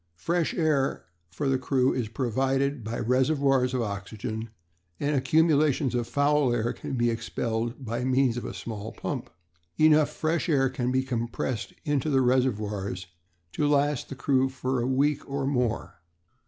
"Fresh air for the crew is provided by reservoirs of oxygen, and accumulations of foul air can be expelled by means of a small pump. Enough fresh air can be compressed into the reservoirs to last the crew for a week or more."